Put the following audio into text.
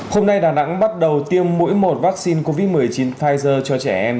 hôm nay đà nẵng bắt đầu tiêm mũi một vaccine covid một mươi chín pfizer cho trẻ em